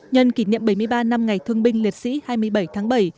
nhân kỷ niệm bảy mươi ba năm ngày thương binh liệt sĩ hai mươi bảy tháng bảy